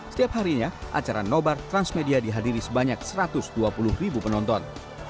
setiap harinya acara nobar transmedia dihadiri sebanyak satu ratus dua puluh ribu penonton